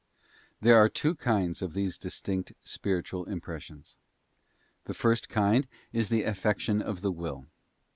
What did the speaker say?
} There are two kinds of these Distinct Spiritual Impres sions. The first kind is in the affection of the will.